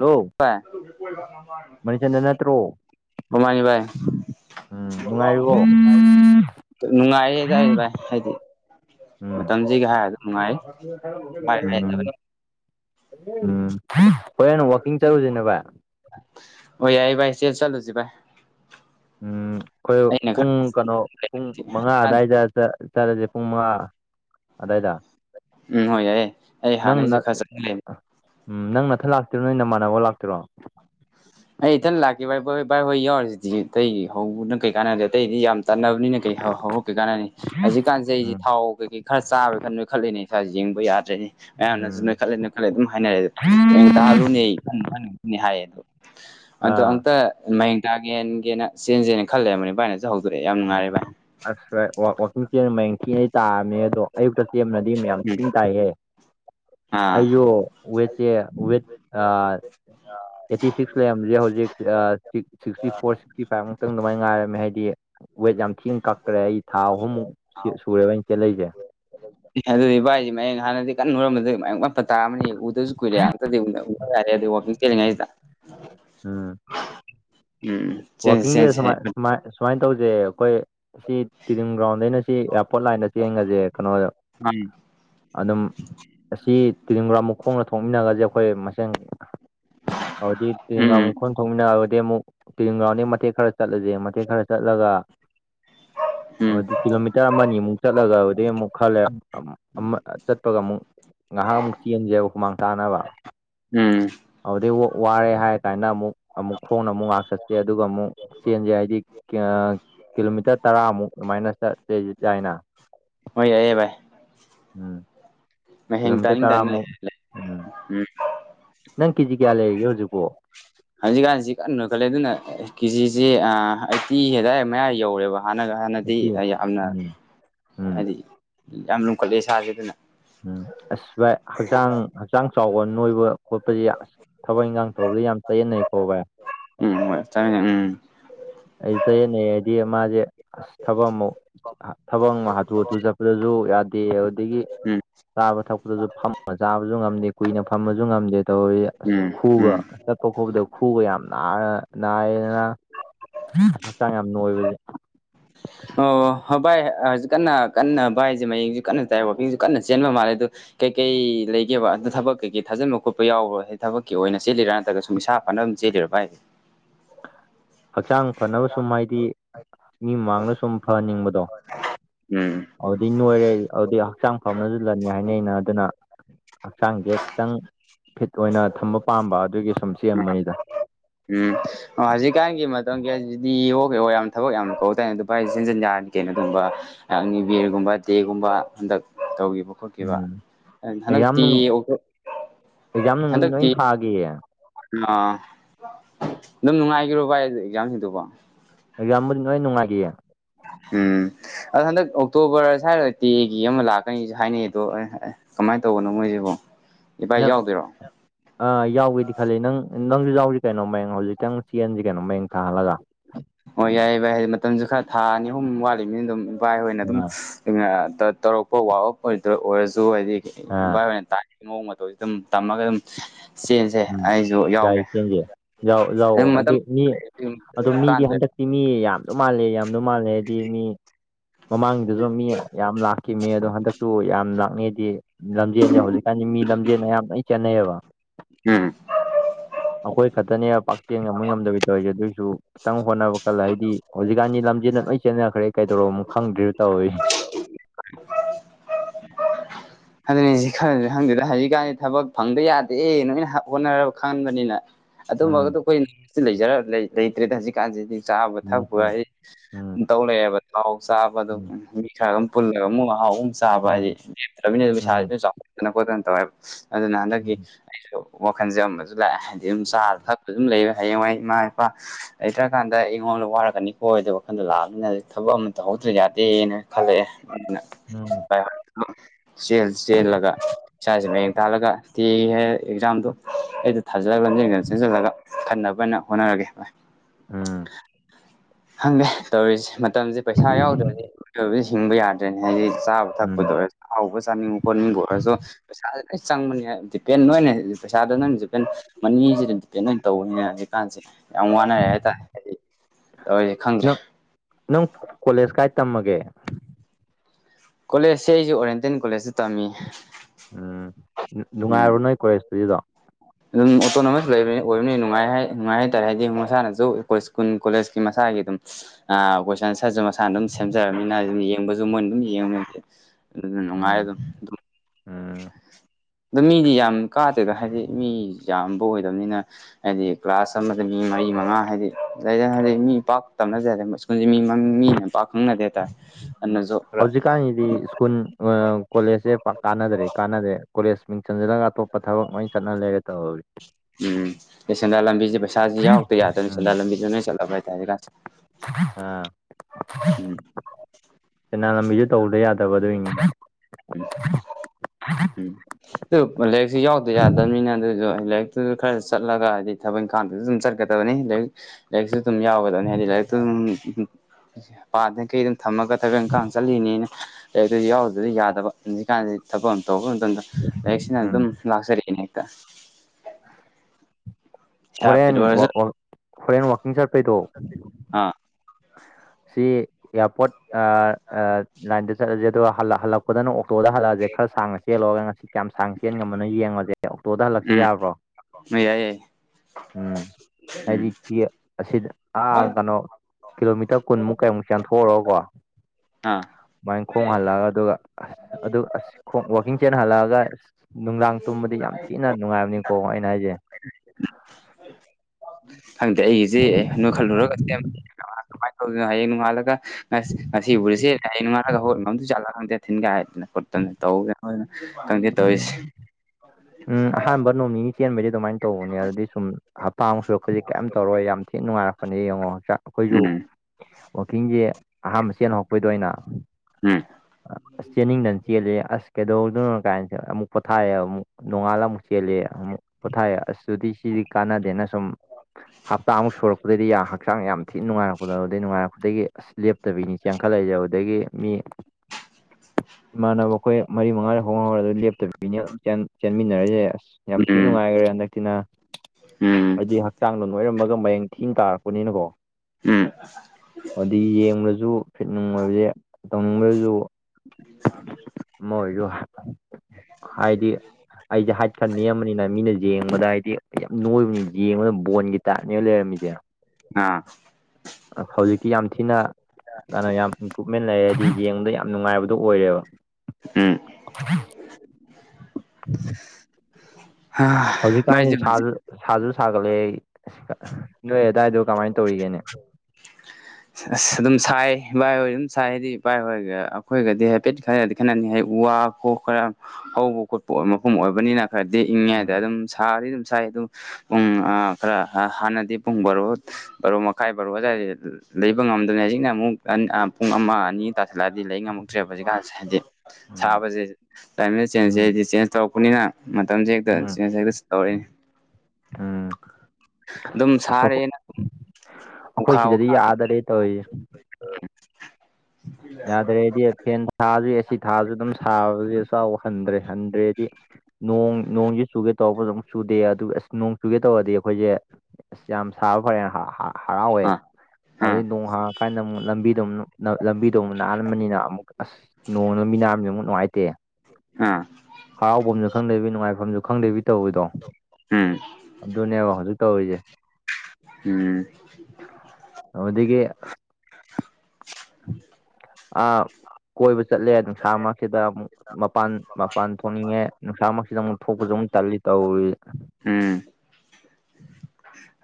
hello ꯕꯥꯏ ꯃꯅꯤꯆꯟꯗ ꯅꯠꯇ꯭ꯔꯣ ꯃꯅꯦ ꯕꯥꯏ ꯎꯝ ꯅꯨꯡꯉꯥꯏꯔꯤꯕꯣ ꯎꯝ ꯅꯨꯡꯉꯥꯏꯌꯦꯗ ꯚꯥꯏ ꯍꯥꯏꯗꯤ ꯎꯝ ꯃꯇꯝꯁꯤꯒꯤ ꯍꯥꯏꯔꯗꯤ ꯅꯨꯡꯉꯥꯏ ꯍꯥꯏꯒꯗꯕꯅꯤ ꯎꯝ ꯍꯣꯔꯦꯟ ꯋꯥꯛꯀꯤꯡ ꯆꯠꯂꯨꯁꯤꯅ ꯕꯥꯏ ꯑꯣ ꯌꯥꯏꯌꯦ ꯚꯥꯏ ꯆꯠꯂꯨꯁꯤ ꯚꯥꯏ ꯎꯝ ꯑꯩꯈꯣꯏ ꯑꯩꯅ ꯈꯔ ꯄꯨꯡ ꯀꯩꯅꯣ ꯄꯨꯡ ꯃꯉꯥ ꯑꯗꯥꯏꯗ ꯆꯠꯂꯁꯦ ꯄꯨꯡ ꯃꯉꯥ ꯑꯗꯥꯏꯗ ꯎꯝ ꯍꯣꯏ ꯌꯥꯏꯌꯦ ꯑꯩ ꯅꯪ ꯍꯥꯟꯅꯩꯁꯨ ꯅꯠ ꯈꯔ ꯆꯠꯅꯤꯡ ꯂꯩꯕ ꯎꯝ ꯅꯪ ꯅꯊꯟ ꯂꯥꯛꯇꯣꯏꯔꯣ ꯅꯣꯏ ꯅꯃꯥꯟꯅꯕ ꯂꯥꯛꯇꯣꯏꯔꯣ ꯑꯩ ꯏꯊꯪ ꯂꯥꯛꯀꯦꯚ ꯚꯣꯏ ꯚꯥꯏ ꯍꯣꯏ ꯌꯥꯎꯔꯤꯁꯤꯗꯤ ꯏꯇꯩ ꯍꯧꯕꯅꯪ ꯀꯩ ꯀꯥꯟꯅꯗꯦ ꯑꯇꯩꯗꯤ ꯌꯥꯝ ꯇꯟꯅꯕꯅꯤꯅ ꯀꯩ ꯍꯧꯔꯛꯀꯩ ꯀꯥꯟꯅꯅꯤ ꯍꯧꯖꯤꯛꯀꯥꯟꯁꯦ ꯑꯩꯁꯤ ꯎꯝ ꯊꯥꯎ ꯀꯩꯀꯩ ꯈꯔ ꯆꯥꯕꯩ ꯈꯔ ꯅꯣꯏ ꯈꯠꯂꯦꯅꯦ ꯏꯁꯥꯁꯦ ꯌꯦꯡꯕ ꯌꯥꯗ꯭ꯔꯦꯅꯤ ꯃꯌꯥꯝꯅꯁꯨ ꯎꯝ ꯅꯣꯏꯈꯠꯂꯦ ꯅꯣꯏꯈꯠꯂꯦ ꯑꯗꯨꯝ ꯍꯥꯏꯅꯔꯦ ꯃꯌꯦꯡ ꯑꯥ ꯇꯥꯍꯜꯂꯨꯅꯦ [unintelligible] ꯍꯥꯏꯌꯦ ꯑꯗꯣ ꯑꯇꯣ ꯑꯃꯨꯛꯇ ꯃꯌꯦꯡ ꯇꯥꯒꯦꯅ ꯆꯦꯟꯁꯦꯅ ꯈꯜꯂꯦ ꯏꯕꯥꯏ ꯇ ꯍꯧꯗꫭꯔꯦ ꯌꯥꯝ ꯅꯨꯉꯥꯏꯔꯦ ꯚꯥꯏ ꯑꯁ ꯍꯣꯏ ꯋꯥ ꯋꯥꯛꯀꯤꯡ ꯆꯦꯟ ꯃꯌꯦꯡ ꯊꯤꯅ ꯇꯥꯔꯝꯃꯦ ꯑꯗꯣ ꯑꯌꯨꯛꯇ ꯆꯦꯟꯕꯗꯤ ꯃꯌꯥꯝ ꯎꯝ ꯊꯤꯟ ꯇꯥꯏꯍꯦ ꯑꯥ ꯑꯩꯖꯨ ꯋꯦꯠ ꯁꯦ ꯋꯦꯠ ꯑꯦꯠꯇꯤ ꯁꯤꯛꯁ ꯂꯩꯔꯝꯕꯁꯦ ꯍꯧꯖꯤꯛ ꯁꯤꯛꯁꯇꯤ ꯐꯣꯔ ꯁꯤꯛꯁꯇꯤ ꯐꯥꯏꯚ ꯃꯨꯛꯇꯪ ꯑꯗꯨꯃꯥꯏꯅ ꯉꯥꯏꯔꯝꯅꯦ ꯍꯥꯏꯗꯤ ꯋꯦꯠ ꯌꯥꯝ ꯊꯤꯅ ꯀꯛꯈ꯭ꯔꯦ ꯑꯩ ꯊꯥ ꯑꯍꯨꯝꯃꯨꯛ ꯁꯨꯔꯦꯕ ꯑꯩꯅ ꯆꯦꯜꯂꯛꯢꯁꯦ ꯑꯗꯨꯗꯤ ꯚꯥꯏꯁꯦ ꯃꯌꯦꯡ ꯍꯥꯟꯅꯗꯤ ꯀꯟꯅ ꯅꯣꯏꯔꯝꯕꯗꯒꯤ ꯃꯌꯦꯡ ꯇꯥꯔꯝꯅꯤ ꯎꯗꯁꯨ ꯀꯨꯏꯔꯦ ꯑꯝꯇꯗꯤ ꯎꯅꯕ ꯍꯣꯏ ꯌꯥꯔꯦ ꯑꯗꯨ ꯋꯥꯛꯀꯤꯡ ꯆꯦꯜꯂꯤꯉꯩꯗ ꯎꯝ ꯎꯝ ꯆꯦꯟꯁꯤ ꯋꯥꯀꯤꯡꯖꯦ ꯆꯦꯟꯁꯤ ꯁꯃꯥꯏ ꯁꯃꯥꯏ ꯁꯨꯃꯥꯏꯅ ꯇꯧꯖꯦ ꯑꯩꯈꯣꯏ ꯁꯤ ꯇꯤꯗꯤꯝ ꯒ꯭ꯔꯥꯎꯟꯗꯩꯅ ꯁꯤ ꯑꯦꯌꯥꯔꯄꯣꯠ ꯂꯥꯏꯟꯗ ꯆꯦꯟꯒ꯭ꯔꯁꯦ ꯀꯩꯅꯣꯗ ꯎꯝ ꯑꯗꯨꯝ ꯑꯁꯤ ꯇꯤꯗꯤꯝꯒ꯭ꯔꯥꯎꯟ ꯈꯣꯡꯅ ꯊꯣꯛꯃꯤꯟꯅꯈ꯭ꯔꯁꯦ ꯑꯩꯈꯣꯏ ꯃꯁꯦꯟ ꯑꯧꯗꯤ ꯇꯤꯗꯤꯝ ꯒ꯭ꯔꯥꯎꯟ ꯎꯝ ꯃꯨꯛ ꯈꯣꯏꯅ ꯊꯣꯛꯃꯤꯟꯅꯔꯨꯔꯗꯤ ꯑꯃꯨꯛ ꯇꯤꯗꯤꯝ ꯒ꯭ꯔꯥꯎꯟꯗꯩ ꯃꯇꯦꯛ ꯈꯔ ꯆꯠꯂꯁꯦ ꯃꯇꯦꯛ ꯈꯔ ꯆꯠꯂꯒ ꯎꯝ ꯑꯗꯨ ꯀꯤꯂꯣꯃꯤꯠ ꯇꯔ ꯑꯃꯅꯤꯃꯨꯛ ꯆꯠꯂꯒ ꯑꯗꯩ ꯑꯃꯨꯛ ꯈꯜꯂꯦ ꯑꯃ ꯆꯠꯄꯒ ꯑꯃꯨꯛ ꯉꯥꯍꯥꯛ ꯑꯃꯨꯛ ꯆꯦꯟꯁꯦꯕ ꯍꯨꯃꯥꯡ ꯇꯥꯅꯕ ꯎꯝ ꯑꯗꯨꯗꯩ ꯋꯥꯔꯦ ꯍꯥꯏꯔ ꯀꯥꯟꯗ ꯑꯃꯨꯛ ꯑꯃꯨꯛ ꯈꯣꯡꯅ ꯑꯃꯨꯛ ꯉꯥꯍꯥꯛ ꯆꯠ ꯆꯦꯜꯁꯦ ꯑꯗꯨꯒ ꯑꯃꯨꯛ ꯆꯦꯟꯖꯦ ꯍꯥꯏꯗꯤ ꯑꯥ ꯀꯤꯂꯣꯃꯤꯇꯔ ꯇꯔꯥꯃꯨꯛ ꯑꯗꯨꯃꯥꯏꯅ ꯆꯠꯁꯦꯁꯨ ꯌꯥꯏꯅ ꯍꯣꯏ ꯌꯥꯏꯑꯦ ꯚꯥꯏ ꯎꯝ ꯃꯍꯌꯦꯡ ꯀꯤꯂꯣꯃꯤꯇꯔ ꯇꯥꯅꯤꯡ ꯇꯥꯅꯤꯡ ꯇꯔꯥꯃꯨꯛ ꯂꯩ ꯎꯝ ꯅꯪ ꯀꯦꯖꯤ ꯀꯌꯥ ꯂꯩꯔꯤꯒꯦ ꯍꯧꯖꯤꯛꯄꯣ ꯍꯧꯖꯤꯛꯒꯥꯟꯁꯦ ꯀꯥꯟꯅ ꯅꯣꯏꯈꯠꯂꯦ ꯑꯗꯨꯅ ꯀꯦꯖꯤꯁꯤ ꯑꯥ ꯑꯩꯠꯇꯤ ꯑꯩꯢ ꯑꯗꯨꯋꯥꯢ ꯃꯌꯥ ꯌꯧꯔꯦꯕ ꯍꯥꯟꯅꯒ ꯍꯥꯟꯅꯗꯤ ꯑꯩꯠꯇꯤ ꯌꯥꯝꯅ ꯎꯝ ꯎꯝ ꯍꯥꯏꯗꯤ ꯌꯥꯝ ꯂꯨꯝꯈꯠꯂꯦ ꯏꯁꯥꯥꯁꯦ ꯑꯗꯨꯅ ꯎꯝ ꯑꯁ ꯚꯥꯏ ꯍꯛꯆꯥꯡ ꯍꯛꯆꯥꯡ ꯆꯥꯎꯕ ꯅꯣꯏꯕ ꯈꯣꯠꯄꯁꯤ ꯑꯁ ꯊꯕꯛ ꯏꯟꯈꯥꯡ ꯊꯧꯕꯗ ꯌꯥꯝ ꯆꯌꯦꯠꯅꯩꯀꯣ ꯚꯥꯏ ꯎꯝ ꯍꯣꯏ ꯆꯠꯃꯤꯅꯩ ꯎꯝ ꯑꯩ ꯆꯥꯌꯦꯠꯅꯩ ꯍꯥꯏꯗꯤ ꯃꯥꯁꯦ ꯊꯕꯛꯃꯨꯛ ꯊꯕꯛ ꯑꯃ ꯍꯥꯊꯨ ꯍꯥꯊꯨ ꯆꯠꯄꯗꯁꯨ ꯌꯥꯗꯦ ꯑꯗꯨꯗꯒꯤ ꯎꯝ ꯆꯥꯕ ꯊꯛꯄꯗꯁꯨ ꯐꯝ ꯆꯥꯕꯁꯨ ꯉꯝꯗꯦ ꯀꯨꯏꯅ ꯐꯝꯕꯁꯨ ꯉꯝꯗꯦ ꯇꯧꯔꯤ ꯑꯁ ꯎꯝ ꯈꯨꯕ ꯎꯝ ꯆꯠꯄ ꯈꯣꯠꯄꯗ ꯈꯨꯒ ꯌꯥꯝ ꯅꯥ ꯅꯥꯏꯌꯦꯗꯅ ꯍꯛꯆꯥꯡ ꯌꯥꯝ ꯅꯣꯏꯕꯁꯦ ꯑꯣ ꯍꯣꯏ ꯚꯥꯏ ꯍꯧꯖꯤꯛ ꯀꯟꯅ ꯀꯟꯅ ꯚꯥꯏꯁꯦ ꯃꯌꯦꯡꯁꯨ ꯀꯟꯅ ꯇꯥꯏ ꯋꯥꯀꯤꯡꯁꯨ ꯀꯟꯅ ꯆꯦꯟꯕ ꯃꯥꯜꯂꯦ ꯑꯗꯨ ꯀꯩꯀꯩ ꯂꯩꯒꯦꯕ ꯑꯗ ꯊꯕꯛ ꯀꯩꯀꯩ ꯊꯥꯖꯤꯟꯕ ꯈꯣꯠꯄ ꯌꯥꯎꯕ꯭ꯔ ꯊꯕꯛꯀꯤ ꯑꯣꯏꯅ ꯆꯦꯠꯂꯤꯔꯥ ꯅꯠꯇ꯭ꯔꯒ ꯁꯨꯝ ꯏꯁꯥ ꯢꯁꯥ ꯐꯅꯕ ꯆꯦꯜꯂꯤꯔꯣ ꯚꯥꯏꯗꯤ ꯍꯛꯆꯥꯡ ꯐꯅꯕ ꯁꯨꯝ ꯍꯥꯏꯗꯤ ꯃꯤ ꯃꯥꯡꯗ ꯁꯨꯝ ꯐꯍꯟꯅꯤꯡꯕꯗꯣ ꯎꯝ ꯑꯗꯨꯗꯤ ꯅꯣꯏꯔꯦ ꯑꯗꯨꯗꯤ ꯍꯛꯆꯥꯡ ꯐꯕꯅ ꯂꯟꯅꯤ ꯍꯥꯏꯅꯩꯅ ꯑꯗꯨꯅ ꯍꯛꯆꯥꯡꯖꯦ ꯈꯤꯇꯪ ꯐꯤꯠ ꯑꯣꯏꯅ ꯊꯝꯕ ꯄꯥꯝꯕ ꯑꯗꯨꯒꯤ ꯁꯨꯝ ꯁꯦꯝꯕꯅꯤꯗ ꯎꯝ ꯑꯣ ꯍꯧꯖꯤꯛꯀꯥꯟꯒꯤ ꯃꯇꯝꯒꯤ ꯍꯥꯏꯖꯤꯗꯤ ꯌꯣꯒ ꯑꯣꯌꯥꯝ ꯊꯕꯛ ꯌꯥꯝꯅ ꯀꯧꯗꯥꯏꯅꯦ ꯑꯗꯨ ꯕꯥꯏꯁꯨ ꯆꯦꯟꯖꯤꯟ ꯌꯥꯔꯅꯤ ꯀꯩꯅꯣꯒꯨꯝꯕ ꯑꯒꯅꯤꯕꯤꯔꯒꯨꯝꯕ ꯇꯦꯒꯨꯝꯕ ꯍꯟꯗꯛ ꯇꯧꯈꯤꯕ ꯈꯣꯠꯈꯤꯕ ꯎꯝ ꯑꯦꯛꯖꯥꯝ ꯍꯟꯗꯛꯇꯤ ꯅꯨꯡ [unintelligible] ꯍꯟꯗꯛꯇꯤ ꯀꯤꯌꯦ ꯑꯥ ꯑꯗꯨꯝ ꯅꯨꯡꯉꯥꯏꯒꯤꯕ꯭ꯔꯣ ꯚꯥꯏ ꯑꯦꯛꯖꯥꯝꯖꯤꯡꯗꯨꯕꯣ ꯌꯦꯛꯖꯥꯝꯕꯨꯗꯤ ꯂꯣꯢ ꯅꯨꯡꯉꯥꯏꯒꯤꯌꯦ ꯎꯝ ꯑꯗꯣ ꯍꯟꯗꯛ ꯑꯣꯛꯇꯣꯕꯔ ꯁꯨꯋꯥꯢꯗ ꯇꯤꯑꯦꯒꯤ ꯑꯃ ꯂꯥꯛꯀꯅꯤꯁꯨ ꯍꯥꯏꯅꯩ ꯑꯗꯣ ꯀꯃꯥꯏꯅ ꯇꯧꯕꯅꯣ ꯃꯣꯏꯁꯤꯕꯨ ꯕꯥꯏ ꯌꯥꯎꯗꯣꯏꯔꯣ ꯑ ꯌꯥꯎꯒꯦꯗꯤ ꯈꯜꯂꯤ ꯅꯪ ꯅꯪꯁꯨ ꯌꯥꯎꯁꯤ ꯀꯩꯅꯣ ꯃꯌꯦꯡ ꯍꯧꯖꯤꯛꯇꯩ ꯆꯦꯟꯁꯤ ꯀꯩꯅꯣ ꯃꯌꯦꯡ ꯊꯥꯍꯜꯂꯒ ꯑꯣ ꯌꯥꯏꯌꯦ ꯕꯥꯏ ꯍꯥꯏꯗꯤ ꯃꯇꯝꯁꯨ ꯈꯔ ꯊꯥ ꯑꯅꯤ ꯑꯍꯨꯝ ꯋꯥꯠꯂꯤꯕꯅꯤꯅ ꯑꯗꯨꯝ ꯚꯥꯏ ꯑꯣꯏꯅ ꯑꯗꯨꯝ ꯑꯥ ꯇꯧꯔꯛꯄ ꯋꯥꯛꯑꯥꯎꯠ ꯑꯣꯏꯔꯁꯨ ꯑꯥ ꯍꯥꯏꯗꯤꯏꯕꯥꯏ [inaudible] ꯇꯥꯒꯤ ꯃꯑꯣꯡ ꯃꯇꯧꯁꯨ ꯑꯗꯨꯝ ꯇꯝꯃꯒ ꯑꯗꯨꯝ ꯆꯦꯟꯁꯦ ꯎꯝ ꯑꯩꯁꯨ ꯌꯥꯏ ꯌꯥꯎꯒꯦ ꯆꯦꯟꯁꯦ ꯌꯥꯎ ꯑꯗꯨꯝ ꯌꯥꯎꯑꯣ ꯃꯇꯝ ꯑꯗꯩ ꯃꯤ ꯑꯗꯣ ꯃꯤꯗꯤ ꯀꯥꯟꯗꯦ ꯍꯟꯗꯛꯇꯤ ꯃꯤ ꯌꯥꯝꯗꯧ ꯃꯥꯜꯂꯦ ꯌꯥꯝꯗꯧ ꯃꯥꯜꯂꯦ ꯍꯥꯏꯗꯤ ꯃꯤ ꯃꯃꯥꯡꯒꯤꯗꯖꯨ ꯃꯤ ꯌꯥꯝ ꯂꯥꯛꯈꯤꯃꯦ ꯑꯗꯣ ꯍꯟꯗꯛꯁꯨ ꯌꯥꯝ ꯂꯥꯛꯅꯦꯗꯤ ꯂꯝꯖꯦꯟꯖꯦ ꯍꯧꯖꯤꯛꯀꯥꯟꯗꯤ ꯃꯤ ꯂꯝꯖꯦꯟ ꯑꯌꯥꯝ ꯂꯣꯏ ꯆꯦꯟꯅꯩꯌꯦꯕ ꯎꯝ ꯑꯈꯣꯏ ꯈꯛꯇꯅꯦ ꯌꯥꯝ ꯄꯥꯛ ꯆꯦꯟ ꯉꯝꯃꯣꯏ ꯉꯝꯗꯕꯤ ꯇꯧꯔꯤꯁꯦ ꯑꯗꯨꯏꯁꯨ ꯈꯤꯇꯪ ꯍꯣꯠꯅꯕ ꯀꯜꯂ ꯍꯥꯏꯗꯤ ꯍꯧꯖꯤꯛꯀꯥꯟꯗꯤ ꯂꯝꯖꯦꯜꯗ ꯂꯣꯏ ꯆꯦꯟꯅꯈ꯭ꯔꯦ ꯀꯩꯗꯧꯔꯃꯣ ꯈꯪꯗ꯭ꯔꯦ ꯇꯧꯔꯤꯁꯤ [unintelligible] ꯑꯗꯨꯅꯤ ꯁꯤ ꯈꯔꯁꯨ ꯈꯪꯗꯦꯗ ꯍꯧꯖꯤꯛ ꯀꯥꯟꯗꯤ ꯊꯕꯛ ꯐꯪꯗ ꯌꯥꯗꯦ ꯅꯣꯏꯅ ꯍꯛ ꯍꯣꯠꯅꯔꯕ ꯈꯟꯕꯅꯤꯅ ꯎꯝ ꯑꯗꯨꯝꯕꯒꯗꯨ ꯑꯩꯈꯣꯏ ꯆꯤꯜ ꯂꯩꯖꯔꯥ ꯂꯩꯇ꯭ꯔꯦꯗꯗ ꯍꯧꯖꯤꯛꯀꯥꯟꯖꯤꯗꯤ ꯆꯥꯕ ꯊꯛꯄ ꯑꯩ ꯎꯝ ꯇꯧꯂꯩꯔ꯭ꯕ ꯊꯥꯎ ꯆꯥꯕꯗꯨꯝ ꯎꯝ ꯃꯤ ꯈꯔꯗꯨꯝ ꯄꯨꯜꯂꯒ ꯑꯃꯨꯛ ꯑꯍꯥꯎꯕ ꯑꯃꯨꯛ ꯆꯥꯕ ꯍꯥꯏꯗꯤ ꯎꯝ ꯂꯦꯞꯇ꯭ꯔꯕꯅꯤꯅ ꯄꯩꯁꯥꯁꯤ ꯎꯝ ꯑꯗꯨꯝ ꯆꯥꯎꯈꯠꯇꯅ ꯈꯣꯠꯇꯅ ꯇꯧꯋꯦꯕ ꯑꯗꯨ ꯅꯍꯥꯟ ꯅꯪꯒꯤ ꯑꯩꯖꯨ ꯋꯥꯈꯜꯁꯦ [unintelligible] ꯗꯨ ꯂꯥꯛꯑꯦ ꯍꯥꯏꯗꯤ ꯑꯗꯨꯝ ꯆꯥꯔ ꯊꯛꯔ ꯑꯗꯨꯝ ꯂꯩꯔꯦ ꯍꯌꯦꯡꯋꯥꯏ ꯏꯃꯥ ꯏꯄꯥ ꯂꯩꯇ꯭ꯔꯀꯥꯟꯗ ꯑꯩꯉꯣꯟꯗ ꯋꯥꯔꯛꯀꯅꯤꯀꯣꯏꯗꯣ ꯋꯥꯈꯜꯗꯣ ꯂꯥꯛꯑꯝꯅꯤꯅ ꯊꯕꯛ ꯑꯃ ꯇꯧꯍꯧꯗ꯭ꯔ ꯌꯥꯗꯔ꯭ꯦꯅ ꯈꯜꯂꯛꯑꯦ ꯑꯗꯨꯅꯦ ꯎꯝ [unintelligible] ꯆꯦꯜ ꯆꯦꯜꯂꯒ ꯏꯁꯥꯖꯦ ꯃꯌꯦꯡ ꯇꯥꯍꯜꯂꯒ ꯇꯤ ꯑꯦ ꯍꯥꯏ ꯑꯦꯛꯖꯥꯝꯗꯨ ꯑꯩꯗꯣ ꯊꯥꯖꯜꯂꯅꯤ ꯂꯝꯖꯦꯟꯖ ꯆꯦꯟꯁꯤꯜꯂꯒ ꯈꯟꯅꯕꯅ ꯍꯣꯠꯅꯔꯒꯦ ꯚꯥꯏ ꯎꯝ ꯍꯪꯗꯦ ꯇꯧꯔꯤꯁꯤ ꯃ ꯃꯇꯝꯖꯦ ꯄꯩꯁꯥ ꯌꯥꯎꯗꯔꯗꯤ ꯃꯤꯑꯣꯏꯕꯖꯦ ꯍꯤꯡꯕ ꯌꯥꯗ꯭ꯔꯦꯅꯤ ꯍꯥꯏꯗꯤ ꯆꯥꯕ ꯎꯝ ꯊꯛꯄꯗ ꯑꯣꯏꯔꯁꯨ ꯑꯍꯥꯎꯕ ꯆꯥꯅꯤꯡꯕ ꯍꯣꯠꯅꯤꯡꯕꯨ ꯑꯣꯏꯔꯁꯨ ꯄꯩꯁꯥꯥꯖꯦ ꯂꯣꯏ ꯆꯪꯕꯅꯦ ꯗꯤꯄꯦꯟ ꯅꯣꯏꯅ ꯄꯩꯁꯥꯗ ꯅꯣꯏꯅ ꯗꯤꯄꯦꯟ ꯃꯅꯤꯖꯤꯗ ꯗꯤꯄꯦꯟ ꯂꯣꯏꯅ ꯇꯧꯕꯅꯤꯅ ꯍꯧꯖꯤꯛꯀꯥꯟꯁꯦ ꯌꯥꯝ ꯋꯥꯅꯔꯦ ꯍꯥꯏꯇꯥꯔꯦ ꯇꯧꯔꯤꯖꯦ ꯈꯪꯗ꯭ꯔꯦ ꯅꯪ ꯅꯪ ꯀꯣꯂꯦꯖ ꯀꯥꯏ ꯇꯝꯃꯒꯦ ꯀꯣꯂꯦꯖꯁꯦ ꯑꯩꯖꯨ ꯑꯣꯔꯦꯟꯇꯦꯟ ꯀꯣꯂꯦꯖꯇ ꯇꯝꯃꯤ ꯎꯝ ꯎꯝ ꯅꯨꯡꯉꯥꯏꯕꯔꯣ ꯅꯣꯏ ꯀꯣꯂꯦꯖ ꯇꯨꯗꯤꯗꯣ ꯑꯗꯨꯝ ꯑꯣꯇꯣꯅꯣꯃꯁ ꯂꯩꯕꯅꯤ ꯑꯣꯏꯕꯅꯤ ꯅꯨꯡꯉꯥꯏ ꯍꯥꯏ ꯅꯨꯡꯉꯥꯏ ꯍꯥꯏꯇꯥꯥꯔꯦ ꯍꯥꯏꯗꯤ ꯃꯁꯥꯅꯖꯨ ꯑꯩꯈꯣꯏ ꯁ꯭ꯀꯨꯜ ꯀꯣꯂꯦꯖꯀꯤ ꯃꯁꯥꯒꯤ ꯑꯗꯨꯝ ꯑ ꯑꯈꯣꯏ ꯁꯥꯏꯁ ꯁꯠꯁꯨ ꯃꯁꯥꯅ ꯑꯗꯨꯝ ꯁꯦꯝꯖꯔꯕꯅꯤꯅ ꯗꯨꯝ ꯌꯦꯡꯕꯖꯨ ꯃꯣꯏꯅ ꯑꯗꯨꯝ ꯌꯦꯡꯉꯝꯃꯦ ꯍꯧꯖꯤꯛꯇꯤ ꯑꯗꯨꯅ ꯅꯨꯡꯉꯥꯏ ꯎꯝ ꯑꯗꯨꯝ ꯗꯨꯝ ꯎꯝ ꯑꯗꯣ ꯃꯤꯗꯤ ꯌꯥꯝ ꯀꯥꯗꯦꯗ ꯍꯥꯏꯗꯤ ꯃꯤ ꯌꯥꯝꯕ ꯑꯣꯏꯗꯕꯅꯤꯅ ꯍꯥꯏꯗꯤ ꯀ꯭ꯂꯥꯁ ꯑꯃꯗ ꯃꯤ ꯃꯔꯤ ꯃꯉꯥ ꯍꯥꯏꯗꯤ ꯂꯩ ꯍꯥꯏꯗꯤ ꯃꯤ ꯄꯥꯛ ꯇꯝꯅꯖꯔꯦ ꯁꯀꯨꯜꯁꯦ ꯃꯤ ꯃꯃꯤꯡ ꯃꯤꯅ ꯄꯥ ꯈꯪꯅꯗꯦꯗ ꯎꯝ ꯈꯪꯉꯁꯨ ꯈꯔꯥ ꯍꯧꯖꯤꯛꯀꯥꯟꯒꯤꯗꯤ ꯁ꯭ꯀꯨꯜ ꯀꯣꯂꯦꯖꯁꯦ ꯄꯥꯛ ꯀꯥꯟꯅꯗ꯭ꯔꯦ ꯀꯥꯟꯅꯗ꯭ꯔꯦ ꯀꯣꯂꯦꯖ ꯃꯤꯡꯆꯟꯁꯤꯜꯂꯒ ꯑꯇꯣꯞꯄ ꯊꯕꯛ ꯂꯣꯏ ꯆꯠꯅ ꯂꯩꯔꯦ ꯇꯧꯔꯤꯁꯤ ꯎꯝ ꯁꯦꯟꯗꯥꯟ ꯂꯝꯕꯤꯁꯤ ꯄꯩꯁꯥꯁꯤ ꯌꯥꯎꯇꯥ ꯌꯥꯗꯥꯗꯅ ꯎꯝ ꯁꯦꯟꯗꯥꯟ ꯂꯝꯕꯤꯗ ꯂꯣꯏꯅ ꯆꯠꯂꯕ ꯍꯥꯏ ꯇꯥꯔꯦ ꯑꯥ ꯎꯝ ꯁꯦꯟꯗꯥꯟ ꯂꯝꯕꯤꯁꯨ ꯇꯧꯗ ꯌꯥꯗꯕ ꯑꯗꯨꯏꯅꯤ ꯎꯝ ꯎꯝ ꯑꯗꯨ ꯂꯥꯏꯔꯤꯛꯁꯤ ꯌꯥꯎꯗ ꯌꯥꯗꯕꯅꯤꯅ ꯑꯗꯨꯁꯨ ꯂꯦꯛ [unintelligible] ꯑꯗꯨꯖꯨ ꯈꯔ ꯆꯠꯂꯒ ꯍꯥꯏꯗꯤ ꯊꯕꯛ ꯏꯪꯈꯥꯡꯗꯨꯁꯨ ꯑꯗꯨꯝ ꯆꯠꯀꯗꯕꯅꯤ ꯗꯩꯩ ꯂꯥꯏꯔꯤꯛꯁꯨ ꯑꯗꯨꯝ ꯌꯥꯎꯒꯗꯕꯅꯤ ꯍꯥꯏꯗꯤ ꯂꯥꯏꯔꯤꯛꯇꯨ ꯑꯗꯨꯝ ꯄꯥꯗꯅ ꯀꯩꯝ ꯊꯝꯃꯒ ꯊꯕꯛ ꯏꯪꯈꯥꯡ ꯆꯠꯂꯤꯅꯤꯅ ꯂꯔꯤꯛꯇꯗꯤ ꯌꯥꯎꯔꯨꯗꯗꯤ ꯌꯥꯗꯕ ꯍꯧꯖꯤꯛꯀꯥꯟꯗꯤ ꯊꯕꯛ ꯑꯃ ꯇꯧꯔꯨꯄ ꯃꯇꯝꯗ ꯂꯥꯏꯔꯤꯛꯁꯤꯅ ꯎꯝ ꯑꯗꯨꯝ ꯂꯥꯛꯆꯔꯛꯏꯅꯦ ꯍꯦꯛꯇ ꯏꯁꯥ ꯍꯣꯔꯦꯟ ꯐꯤꯠ ꯑꯣꯏꯔꯁꯨ ꯋꯥꯛ ꯋꯥꯛ ꯍꯣꯔꯦꯟ ꯋꯥꯛꯀꯤꯡ ꯆꯥꯠꯄꯩꯗꯣ ꯑꯥ ꯁꯤ ꯑꯦꯌꯥꯔꯄꯣꯔꯠ ꯑ ꯑ ꯂꯥꯏꯟꯗ ꯆꯠꯂꯖꯦ ꯑꯗꯨꯒ ꯍꯜꯂꯛ ꯍꯜꯂꯛ ꯈꯣꯗꯅ ꯑꯣꯛꯇꯣꯗ ꯍꯜꯂꯛꯑꯁꯦ ꯈꯔ ꯁꯥꯡꯅ ꯆꯦꯜꯂꯨꯔꯒ ꯉꯁꯤ ꯀꯌꯥꯝ ꯁꯥꯡꯅ ꯆꯦꯟ ꯉꯝꯕꯅꯣ ꯌꯦꯡꯉꯣꯁꯦ ꯑꯦ ꯑꯣꯛꯇꯣꯗ ꯍꯜꯂꯛꯁꯦ ꯌꯥꯕ꯭ꯔꯣ ꯅꯣꯏ ꯌꯥꯏ-ꯌꯥꯏ ꯎꯝ ꯍꯥꯏꯗꯤ ꯑꯁꯤꯗꯥ ꯑꯥ ꯀꯩꯅꯣ ꯀꯤꯂꯣꯃꯤꯇꯔ ꯀꯨꯟꯃꯨꯛ ꯀꯩꯃꯨꯛ ꯆꯦꯟꯊꯣꯔꯣꯑꯣꯀꯣ ꯑꯥ ꯁꯨꯃꯥꯏ ꯈꯣꯡ ꯍꯜꯂꯛꯑꯒ ꯑꯗꯨꯒ ꯑꯁ-ꯑꯁ ꯋꯥꯛꯀꯤꯡ ꯆꯦꯟ ꯍꯜꯂꯛꯑꯒ ꯅꯨꯡꯗꯥꯡ ꯇꯨꯝꯕꯗꯤ ꯌꯥꯝ ꯊꯤꯅ ꯅꯨꯡꯉꯥꯏꯕꯅꯤꯀꯣ ꯑꯩꯅ ꯍꯥꯏꯁꯦ ꯈꯪꯗꯦ ꯑꯩꯒꯤꯁꯤ ꯅꯣꯏ ꯈꯜꯂꯨꯔꯒ ꯀꯃꯥꯏꯅꯥ ꯇꯧꯗꯣꯏꯅꯣ ꯍꯌꯦꯡ ꯅꯣꯡꯉꯥꯂꯒ ꯑꯁ ꯉꯁꯤꯕꯨꯗꯤ ꯆꯦꯜꯂꯦ ꯍꯌꯦꯡ ꯅꯣꯡꯉꯟꯂꯒ ꯍꯧꯒꯠ ꯉꯝꯗꯣꯏꯖꯠꯂꯥ ꯈꯪꯗꯦ ꯊꯤꯟꯒꯥꯏꯗꯅ ꯈꯣꯠꯇꯅ ꯇꯧꯗꯅ ꯂꯣꯏꯅ ꯈꯪꯗꯦ ꯎꯝ ꯇꯧꯔꯤꯁꯤ ꯎꯝ ꯑꯍꯥꯟꯕ ꯅꯣꯡ ꯅꯤꯅꯤ ꯆꯦꯟꯕꯩꯗꯤ ꯑꯗꯨꯃꯥꯏꯅ ꯇꯧꯕꯅꯦ ꯑꯗꯨꯗꯤ ꯁꯨꯝ ꯍꯞꯇꯥ ꯑꯃꯥ ꯁꯨꯔꯛꯄꯩꯗꯩꯩ ꯀꯩꯝ ꯇꯧꯔꯛꯑꯣꯏ ꯌꯥꯝ ꯊꯤꯅ ꯅꯨꯡꯉꯥꯏꯕꯅꯤ ꯑꯗꯩꯩ ꯌꯦꯡꯉꯣ ꯑꯩꯈꯣꯏꯁꯨ ꯎꯝ ꯋꯥꯛꯀꯤꯡꯒꯤ [unintelligible] ꯑꯍꯥꯟꯕ ꯆꯦꯟ ꯍꯧꯔꯛꯄꯩꯗ ꯑꯩꯅꯥ ꯎꯝ ꯑꯁ ꯆꯦꯟꯅꯤꯡꯗꯅ ꯆꯦꯜꯂꯦ ꯑꯁ ꯀꯩꯗꯧꯔꯨꯗꯣꯏꯅꯣ ꯀꯥꯏꯅꯁꯨ ꯑꯃꯨꯛ ꯄꯣꯊꯥꯏꯑꯦꯕ ꯑꯃꯨꯛ ꯅꯣꯡꯉꯥꯜꯂ ꯑꯃꯨꯛ ꯆꯦꯜꯂꯤ ꯑꯃꯨꯛ ꯄꯣꯊꯥꯏ ꯑꯁꯗꯤ ꯁꯤꯗꯤ ꯀꯥꯟꯅꯗꯦꯅ ꯁꯨꯝ ꯍꯞꯇꯥꯃꯨꯛ ꯁꯨꯔꯛꯄꯗꯩꯗꯤ ꯌꯥ ꯍꯛꯆꯥꯡ ꯌꯥꯝ ꯊꯤꯅ ꯅꯨꯡꯉꯥꯏꯔꯛꯄꯗꯣ ꯑꯗꯨꯗꯗꯒꯤ ꯅꯨꯡꯉꯥꯏꯔꯛꯄꯗꯒꯤ ꯑꯁꯦꯞ ꯐꯠꯇꯕꯤꯅꯤꯁꯦ ꯆꯦꯟꯈꯠꯂꯛꯏꯁꯦ ꯑꯗꯨꯗꯒꯤ ꯃꯤ [unintelligible] ꯏꯃꯥꯟꯅꯕ ꯑꯩꯈꯣꯏ ꯃꯔꯤ ꯃꯉꯥꯗ ꯍꯣꯡꯍꯧꯔ ꯑꯗꯨ ꯂꯦꯞꯇꯕꯤꯅꯤ ꯑꯗꯨꯝ ꯆꯦꯟꯃꯤꯟꯅꯔꯁꯦ ꯑꯁ ꯌꯥꯝ ꯊꯤ ꯎꯝ ꯅꯨꯡꯉꯥꯏꯈ꯭ꯔꯦ ꯍꯟꯗꯛꯇꯤꯅ ꯎꯝ ꯑꯩꯗꯤ ꯍꯥ ꯍꯛꯆꯥꯡꯗꯣ ꯅꯣꯏꯔꯝꯃꯒ ꯃꯌꯦꯡ ꯊꯤꯅ ꯇꯥꯔꯛꯄꯅꯤꯅꯀꯣ ꯎꯝ ꯑꯗꯨꯗꯤ ꯌꯦꯡꯕꯁꯨ ꯐꯤꯠ ꯅꯨꯡꯉꯥꯏꯕꯁꯦ ꯇꯧꯅꯤꯡꯕꯁꯨ [inaudible] ꯑꯩꯗꯤ ꯍꯥꯏꯠ ꯈꯔꯥ ꯅꯦꯝꯕꯅꯤꯅ ꯃꯤꯅ ꯌꯦꯡꯕꯗ ꯍꯥꯏꯗꯤ ꯌꯥꯝ ꯅꯣꯏꯕꯅꯤ ꯌꯦꯡꯕꯗ ꯕꯣꯟꯒꯤ ꯇꯥꯏꯞꯅꯦ ꯂꯩꯔꯝꯃꯤꯁꯦ ꯑꯥ ꯍꯧꯖꯤꯛꯇꯤ ꯌꯥꯝ ꯊꯤꯅ ꯀꯅꯣ ꯌꯥꯝ ꯏꯝꯀ꯭ꯔꯨꯞꯃꯦꯟ ꯂꯩꯔꯦ ꯍꯥꯏꯗꯤ ꯌꯦꯡꯕꯗ ꯌꯥꯝ ꯅꯨꯡꯉꯥꯏꯕꯗꯨ ꯑꯗꯨ ꯑꯣꯏꯌꯦꯕ ꯎꯝ ꯑ ꯃꯥꯏꯖꯤ ꯃꯥ [unintelligible] ꯁꯥꯁꯨꯨ ꯁꯥꯒꯠꯂꯦ ꯅꯣꯏ ꯑꯗꯨꯗꯥꯋꯥꯏꯗꯣ ꯀꯃꯥꯏꯅ ꯇꯧꯔꯤꯒꯦꯅꯦ ꯑꯁ ꯑꯗꯨꯝ ꯁꯥꯏ ꯕꯥꯏ ꯍꯣꯏ ꯑꯗꯨꯝ ꯁꯥꯏ ꯍꯥꯏꯗꯤ ꯕꯥꯏ ꯍꯣꯏꯒ ꯑꯩꯈꯣꯏꯒꯗꯤ ꯍꯥꯏꯐꯦꯠ ꯈꯔꯗꯤ ꯈꯟꯅꯅꯤ ꯍꯥꯏ ꯋꯥ ꯍꯣꯛ ꯈꯔ ꯍꯧꯕ ꯈꯣꯠꯄ ꯃꯐꯝ ꯑꯣꯏꯕꯅꯤꯅ ꯈꯔꯗꯤ ꯏꯪꯉꯦ ꯎꯝ ꯑꯗꯨꯝ ꯁꯥꯗꯤ ꯑꯗꯨꯝ ꯁꯥꯏ ꯑꯗꯨ ꯄꯨꯡ ꯈꯔ ꯍꯥꯟꯅꯗꯤ ꯄꯨꯡ ꯕꯥꯔꯣ ꯕꯥꯔꯣ ꯃꯈꯥꯏ ꯕꯥꯔꯣ ꯑꯗꯥꯏꯗ ꯂꯩꯕ ꯉꯝꯗꯣꯏꯅꯦ ꯍꯧꯖꯤꯛꯅ ꯑꯃꯨꯛ ꯄꯨꯡ ꯑꯃꯥ ꯑꯅꯤ ꯇꯥꯁꯜꯂꯛꯑꯗꯤ ꯂꯩ ꯉꯝꯃ ꯈꯪꯗꯦ ꯍꯧꯖꯤꯛꯀꯟꯁꯤ ꯍꯥꯏꯗꯤ ꯎꯝ ꯁꯥꯕꯁꯦ ꯀ꯭ꯂꯥꯏꯃꯦꯠ ꯆꯦꯟꯖꯁꯦ ꯎꯝ ꯍꯥꯏꯗꯤ ꯆꯦꯟꯖ ꯇꯧꯔꯛꯄꯅꯤꯅ ꯃꯇꯝꯁꯦ ꯍꯦꯛꯇ ꯎꯝ ꯆꯦꯟꯠꯁ ꯍꯦꯛꯇ ꯇꯧꯔꯛꯏꯅꯦ ꯎꯝ ꯑꯗꯨꯝ ꯑꯁ ꯁꯥꯔꯦꯅ ꯑꯩꯈꯣꯏ ꯁꯤꯗꯗꯤ ꯌꯥꯗꯔꯦ ꯇꯧꯔꯤꯁꯤ ꯑ [inaudible] ꯌꯥꯗ꯭ꯔꯦꯗꯤ ꯐꯦꯟ ꯊꯥꯁꯨ ꯑꯦꯁꯤ ꯊꯥꯁꯨ ꯑꯗꯨꯝ ꯁꯥꯕꯁꯦ ꯆꯥꯎ ꯍꯟꯗ꯭ꯔꯦ ꯍꯟꯗ꯭ꯔꯦꯗꯤ ꯅꯣꯡ ꯅꯣꯡꯖꯦ ꯆꯨꯒꯦ ꯇꯧꯔꯄ ꯑꯗꯨꯝ ꯆꯨꯗꯦ ꯑꯗꯨꯒ ꯑꯁ ꯅꯣꯡ ꯆꯨꯒꯦ ꯇꯧꯔꯗꯤ ꯑꯩꯈꯣꯏꯖꯦ ꯑꯁ ꯌꯥꯝ ꯁꯥꯕ ꯐꯔꯦꯅ ꯍ-ꯍ ꯍꯔꯥꯎꯌꯦ ꯑꯥ ꯑꯥ ꯑꯗꯨꯗꯩꯩ ꯅꯣꯡ ꯍꯥꯡꯉꯀꯥꯟꯗ ꯑꯃꯨꯛ ꯂꯝꯕꯤꯗ ꯃꯨꯛ ꯂꯝꯕꯤꯗꯣ ꯑꯃꯨꯛ ꯅꯥꯜꯂꯝꯕꯅꯤꯅ ꯑꯃꯨꯛ ꯑꯁ ꯅꯣꯡ ꯂꯝꯕꯤ ꯅꯥꯟꯕꯅꯤꯅ ꯑꯃꯨꯛ ꯅꯨꯡꯉꯥꯏꯇꯦ ꯑꯥ ꯍꯔꯥꯎꯕꯝꯖꯨ ꯈꯪꯗꯕꯤ ꯅꯨꯡꯉꯥꯏꯐꯝꯁꯨ ꯈꯪꯗꯦꯕꯤ ꯇꯧꯕꯤꯗꯣ ꯎꯝ ꯑꯗꯨꯅꯦꯕ ꯍꯧꯖꯤꯛ ꯇꯧꯔꯤꯖꯦ ꯎꯝ ꯑꯗꯨꯗꯒꯤ ꯑꯁ [inaudible] ꯑ ꯀꯣꯏꯕ ꯆꯠꯂꯦ ꯅꯨꯡꯁꯥꯃꯛꯁꯤꯗ ꯑꯃꯨꯛ ꯃꯄꯥꯟ ꯃꯄꯥꯟ ꯊꯣꯛꯅꯤꯡꯉꯦ ꯅꯨꯡꯁꯥꯃꯛꯁꯤꯗ ꯑꯃꯨꯛ ꯊꯣꯛꯄꯖꯨ ꯑꯃꯨꯛ ꯇꯜꯂꯤ ꯇꯧꯔꯤꯖꯦ ꯎꯝ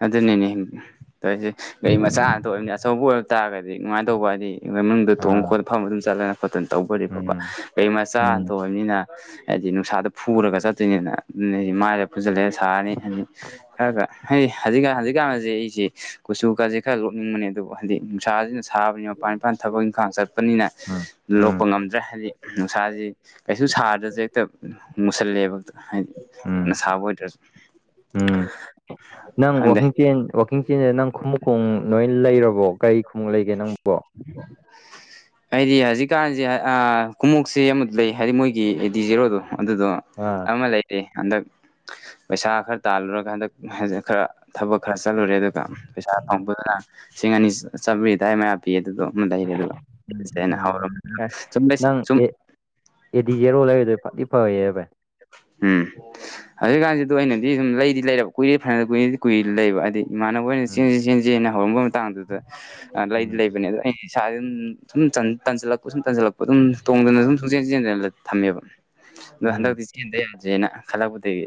ꯑꯗꯨꯅꯤꯅꯦ ꯇꯧꯔꯤꯖꯦ ꯒꯥꯔꯤ ꯃꯆꯥ ꯉꯥꯛꯇꯥ ꯑꯣꯏꯕꯅꯤ ꯑꯆꯧꯕ ꯑꯣꯏꯔ ꯇꯥꯔꯒꯗꯤ ꯅꯨꯡꯉꯥꯏꯗꯧꯕ ꯍꯥꯏꯗꯤ ꯏ ꯃꯅꯨꯡꯗ ꯊꯣꯡ ꯑꯥ ꯈꯣꯠꯅ ꯐꯝ ꯑꯗꯨꯝ ꯆꯠꯂꯅ ꯈꯣꯠꯇꯅ ꯇꯧꯕ ꯑꯣꯢꯔꯗꯤ ꯐꯕ ꯎꯝ ꯀꯩ ꯃꯆꯥ ꯎꯝ ꯑꯣꯢꯕꯅꯤꯅ ꯍꯥꯏꯗꯤ ꯅꯨꯡꯁꯥꯗ ꯐꯨꯔꯒ ꯆꯠꯇꯣꯏꯅꯤꯅ ꯑꯗꯨꯗꯤ ꯃꯥꯏ ꯄꯨꯖꯜꯂꯦ ꯁꯥꯔꯅꯤ ꯈꯔꯒ ꯍꯩ ꯍꯧꯖꯤꯛꯀꯥꯟ ꯍꯧꯖꯤꯛꯀꯥꯟꯁꯦ ꯑꯩꯁꯤ ꯀꯨꯆꯨ ꯀꯥꯁꯦ ꯈꯔ ꯂꯣꯛꯅꯤꯡꯕꯅꯦ ꯑꯗꯨꯕꯨ ꯍꯥꯏꯖꯤꯗꯤ ꯅꯨꯡꯁꯥꯖꯤꯅꯁꯨ ꯊꯥꯕꯅꯤꯅ ꯃꯄꯥꯟ ꯏꯄꯥꯟ ꯊꯕꯛ ꯏꯪꯈꯥꯡ ꯆꯠꯄꯅꯤꯅ ꯎꯝ ꯂꯣꯛꯄ ꯎꯝ ꯉꯝꯗ꯭ꯔꯦ ꯍꯥꯏꯕꯗꯤ ꯅꯨꯡꯁꯥꯁꯤ ꯀꯩꯁꯨ ꯁꯥꯔꯗ꯭ꯔꯖꯦ ꯍꯦꯛꯇ ꯃꯨꯁꯜꯂꯦꯕ ꯍꯥꯏꯗꯤ ꯎꯝ ꯀꯥꯟꯅ ꯁꯥꯕ ꯑꯣꯏꯗ꯭ꯔꯁꯨ ꯎꯝ ꯅꯪ ꯈꯪꯗꯦ ꯋꯥꯛꯀꯤꯡ ꯆꯦꯟ ꯋꯥꯋꯥꯛꯀꯤꯡ ꯆꯦꯟꯖꯤꯅ ꯅꯪ ꯈꯨꯃꯨꯛꯀꯣꯡ ꯂꯣꯏ ꯂꯩꯔꯕꯣ ꯀꯔꯤ ꯈꯨꯃꯨꯛ ꯂꯩꯒꯦ ꯅꯪꯕꯣ ꯑꯩꯗꯤ ꯍꯧꯖꯤꯛꯀꯥꯟꯖꯦ ꯑ ꯈꯨꯃꯨꯛꯁꯦ ꯑꯃꯗꯤ ꯂꯩ ꯍꯥꯏꯗꯤ ꯃꯣꯏꯒꯤ ꯒꯤ ꯑꯦ ꯗꯤ ꯖꯤꯔꯣꯗꯣ ꯑꯗꯨꯗꯣ ꯑꯥ ꯑꯃ ꯂꯩꯔꯦ ꯍꯟꯗꯛ ꯄꯩꯁꯥ ꯈꯔ ꯇꯥꯜꯂꯨꯔꯒ ꯍꯟꯗꯛ ꯐꯦꯖꯦ ꯈꯔ ꯊꯕꯛ ꯈꯔ ꯆꯠꯂꯨꯔꯦ ꯑꯗꯨꯒ ꯄꯩꯁꯥ ꯐꯪꯕꯗꯨꯅ ꯂꯤꯁꯤꯡ ꯑꯅꯤ ꯆꯝꯔꯤ ꯑꯗꯥꯏ ꯃꯌꯥ ꯄꯤ ꯑꯗꯨꯗꯣ ꯑꯃ ꯂꯩꯔꯦ ꯑꯗꯨꯒ ꯑꯩꯅ ꯎꯝ ꯍꯧꯔ ꯑꯦ ꯁꯨꯝ ꯕꯦꯁꯤꯛ ꯅꯪ ꯁꯨꯝ ꯑꯦ ꯑꯦꯗꯤ ꯖꯦꯔꯣ ꯂꯩꯔꯤꯗꯣ ꯐꯗꯤ ꯐꯩꯌꯦ ꯕꯥꯏ ꯎꯝ ꯍꯧꯖꯤꯛꯀꯥꯟꯁꯤꯗ ꯑꯗꯨ ꯑꯩꯅꯗꯤ ꯂꯩꯗꯤ ꯂꯩꯔꯕ ꯀꯨꯏꯔꯦ ꯐꯅ ꯐꯅꯗꯤ ꯀꯨꯏꯔꯗꯤ ꯀꯨꯏꯔꯦ ꯂꯩꯕ ꯍꯥꯏꯗꯤ ꯏꯃꯥꯟꯅꯕꯒꯩꯅ ꯎꯝ ꯆꯦꯟꯖꯤ ꯆꯦꯟꯖꯤꯅ ꯍꯧꯔꯝꯕ ꯃꯇꯥꯡꯗꯨꯗ ꯑ ꯂꯩꯗꯤ ꯎꯝ ꯂꯩꯕꯅꯦ ꯑꯩꯅ ꯑꯩ ꯏꯁꯥ ꯑꯗꯨꯝ ꯊꯨꯝ ꯇꯟꯖꯜꯂꯛꯄ ꯁꯨꯝ ꯇꯟꯖꯜꯂꯛꯄ ꯑꯗꯨꯝ ꯇꯣꯡꯗꯅ ꯑꯗꯨꯝ ꯁꯨꯡꯆꯦꯟ ꯆꯦꯟꯗꯅ ꯊꯝꯃꯦꯕ ꯑꯗꯣ ꯎꯝ ꯍꯟꯗꯛꯇꯤ ꯆꯦꯟꯗ ꯌꯥꯗ꯭ꯔꯦꯅ ꯈꯜꯂꯛꯄꯗꯒꯤ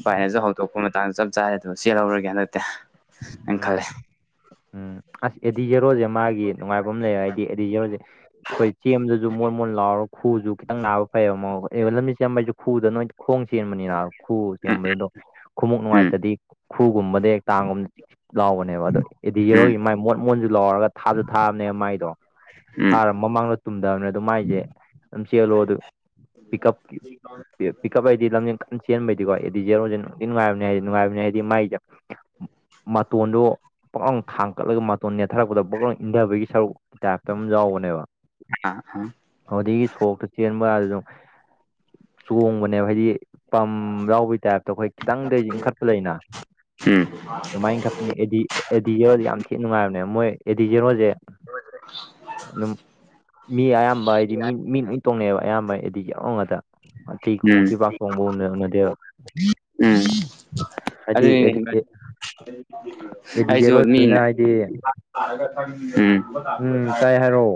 ꯏꯄꯥꯏꯅꯖꯨ ꯍꯧꯗꯣꯛꯄꯃ ꯥꯇꯥꯟ ꯆꯞ ꯆꯥꯔꯦ ꯑꯗꯨ ꯆꯦꯜꯍꯧꯔꯒꯦ ꯍꯟꯗꯛꯇꯦ ꯑꯩꯅ ꯎꯝ ꯈꯜꯂꯦ ꯎꯝ ꯑꯁ ꯑꯦꯗꯤ ꯖꯦꯔꯣꯖꯦ ꯃꯥꯒꯤ ꯅꯨꯡꯉꯥꯏꯕ ꯑꯃ ꯂꯩꯌꯦ ꯍꯥꯏꯗꯤ ꯑꯦꯗꯤ ꯖꯦꯔꯣꯖꯦ ꯑꯈꯣꯏ ꯆꯦꯟꯕꯗꯖꯨ ꯃꯣꯟ ꯃꯣꯟ ꯂꯥꯎꯔ ꯈꯨꯁꯨ ꯈꯤꯇꯪ ꯅꯥꯕ ꯐꯩꯌꯦꯕ ꯃꯣ ꯂꯝꯖꯦꯟ ꯆꯦꯟꯕꯁꯨ ꯈꯨꯗ ꯅꯣꯏ ꯈꯣꯡ ꯆꯦꯟꯕꯅꯤꯅ ꯈꯨ ꯆꯦꯟꯕꯗꯨꯗꯣ ꯈꯨꯎꯞ ꯎꯝ ꯅꯨꯡꯉꯥꯏꯇꯗꯤ ꯈꯨꯒꯨꯝꯕꯗ ꯇꯥꯡꯒꯨꯝꯕꯗ ꯂꯥꯎꯕꯅꯦꯕ ꯑꯗꯣ ꯑꯦꯗꯤ ꯖꯦꯔꯣ ꯎꯝ ꯃꯣꯟꯖꯨ ꯂꯥꯎꯔꯒ ꯊꯥꯖꯨ ꯊꯥꯕꯅꯦꯕ ꯃꯥꯏꯗꯣ ꯎꯝ ꯎꯝ ꯊꯥꯔ ꯃꯃꯥꯡꯗꯣ ꯇꯨꯝꯗꯕ ꯑꯗꯨ ꯃꯥꯏꯖꯦ ꯑꯗꯨꯝ ꯆꯦꯜꯂꯣ ꯑꯗꯨ ꯄꯤꯛ ꯀꯞꯀꯤ ꯀꯤꯞ ꯄꯤꯛ ꯀꯞ ꯑꯩꯗꯤ ꯂꯝꯖꯦꯟ ꯀꯟ ꯆꯦꯟꯕꯩꯗꯤꯀꯣ ꯑꯦꯗꯤ ꯖꯔꯣꯖꯦ ꯅꯨꯡꯗꯤ ꯅꯨꯡꯉꯥꯏꯕꯅꯦ ꯅꯨꯡꯉꯥꯏꯕꯅꯦ ꯍꯥꯏꯗꯤ ꯃꯥꯏꯗ ꯃꯇꯣꯟꯗꯣ ꯄꯥꯎꯡ ꯊꯥꯡ ꯀꯠꯂꯒ ꯃꯇꯣꯟ ꯅꯦꯠꯊꯔꯛꯄꯗ ꯕꯛꯂꯎ ꯏꯟꯗꯕꯒꯤ ꯁꯔꯨꯛ ꯇꯥꯏꯞꯇ ꯑꯃ ꯌꯥꯎꯕꯅꯦꯕ ꯑ ꯑ ꯑꯗꯨꯗꯒꯤ ꯁꯣꯛꯇ ꯆꯦꯟꯕꯒꯗꯣ ꯑꯗꯨꯝ ꯆꯣꯡꯕꯅꯦꯕ ꯍꯥꯏꯗꯤ ꯄꯝ ꯌꯥꯎꯕꯩ ꯇꯥꯏꯞꯇ ꯑꯈꯣꯏ ꯈꯤꯇꯪꯗ ꯏꯟꯈꯠꯄ ꯂꯩꯅ ꯎꯝ ꯑꯗꯨꯃꯥꯏꯅ ꯏꯟꯈꯠ ꯑꯦꯗꯤ ꯑꯦꯗꯤ ꯖꯦꯔꯣꯖꯦ ꯌꯥꯝ ꯊꯤꯅ ꯅꯨꯡꯉꯥꯏꯕꯅꯦ ꯃꯣꯏ ꯑꯦꯗꯤ ꯖꯦꯔꯣꯖꯦ ꯑꯗꯨꯝ ꯃꯤ ꯑꯌꯥꯝꯕ ꯍꯥꯏꯗꯤ ꯃꯤ ꯃꯤ ꯂꯣꯢ ꯇꯣꯡꯉꯛꯑꯦꯕ ꯑꯌꯥꯝꯕ ꯑꯦꯗꯤꯒꯤ ꯑꯣꯡ ꯉꯥꯇꯥ ꯑꯇꯩ ꯎꯝ ꯈꯨꯃꯨꯛꯇꯤ ꯄꯥꯛ ꯇꯣꯡꯕ ꯎꯅꯕ ꯅꯠꯇꯦꯕ ꯑꯗꯨꯅꯦ ꯏꯕꯥꯏ ꯑꯩꯁꯨ ꯖꯦꯔꯣꯁꯤꯅ ꯃꯤꯅ ꯍꯥꯏꯗꯤ [unintelligible] ꯎꯝ ꯎꯝ ꯇꯥꯏ ꯍꯥꯏꯔꯛꯑꯣ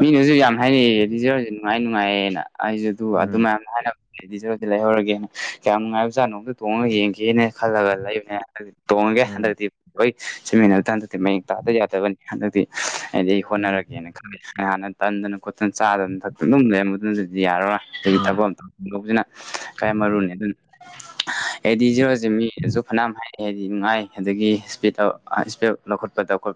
ꯃꯤꯅꯁꯨ ꯌꯥꯝ ꯍꯥꯏꯅꯩꯑꯦ ꯑꯦꯗꯤꯌꯣꯗꯨ ꯅꯨꯡꯉꯥꯏ ꯅꯨꯡꯉꯥꯏꯌꯦꯅ ꯑꯩꯖꯨ ꯑꯗꯨ ꯋꯥ ꯎꯝ ꯍꯥꯏꯅ ꯑꯦꯗꯤꯖꯦꯔꯣꯗꯤ ꯂꯩꯍꯧꯔꯒꯦ ꯀꯌꯥꯝ ꯅꯨꯡꯉꯥꯏꯕ ꯖꯥꯠꯅꯣ ꯑꯝꯇ ꯊꯣꯡꯉꯒ ꯌꯦꯡꯒꯦꯅ ꯈꯜꯂꯒ ꯂꯩꯕꯅꯦ ꯍꯟꯇꯛꯇꯤ ꯇꯣꯡꯉꯒꯦ ꯎꯝ ꯍꯟꯗꯛꯇꯤ ꯍꯣꯏ ꯆꯟꯃꯤꯟꯅꯔꯗ ꯍꯟꯗꯛꯇꯤ ꯃꯌꯦꯡ ꯇꯥꯗꯕ ꯌꯥꯗꯕꯅꯤ ꯍꯟꯗꯛꯇꯤ ꯑꯩꯗꯤ ꯎꯝ ꯍꯣꯠꯅꯔꯒꯦꯅ ꯈꯜꯂꯤ ꯀꯥꯟꯅ ꯇꯟꯗꯅ ꯈꯣꯠꯇꯅ ꯆꯥꯗꯅꯊꯛꯇ ꯑꯗꯨꯝ ꯂꯩꯔꯝꯕ ꯑꯗꯨꯅꯗꯤ ꯌꯥꯔꯔꯣꯏ ꯑꯗꯨꯒꯤ ꯎꯝ ꯊꯕꯛ ꯑꯝꯇ ꯖꯤꯅ ꯈ꯭ꯋꯥꯢ ꯃꯔꯨꯅꯤ ꯑꯗꯨꯅ ꯑꯦꯗꯤ ꯖꯤꯔꯣꯖꯦ ꯃꯤꯅꯁꯨ ꯐꯅꯌꯥꯝ ꯍꯥꯏ ꯑꯩ ꯍꯥꯏꯗꯤ ꯅꯨꯡꯉꯥꯏ ꯑꯗꯒꯤ ꯏꯁꯄꯤꯠ ꯏꯁꯄꯤꯠ ꯂꯧꯈꯠꯄꯗ ꯈꯣꯠꯄꯗ